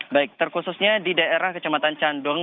baik terkhususnya di daerah kecamatan candong